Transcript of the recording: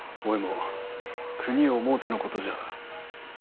おいも国を思うてのことじゃ。